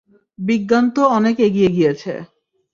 বিজ্ঞান তো অনেক এগিয়ে গিয়েছে।